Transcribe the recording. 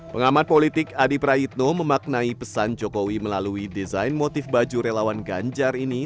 pengamat politik adi praitno memaknai pesan jokowi melalui desain motif baju relawan ganjar ini